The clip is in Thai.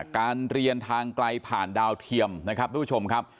การเรียนทางไกลผ่านดาวเทียมนะครับทุกผู้ชมครับ